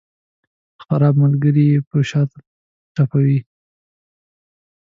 خراب ملګري یې په شاته ټپوي.